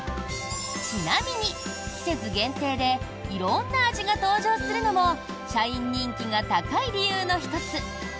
ちなみに、季節限定で色んな味が登場するのも社員人気が高い理由の１つ！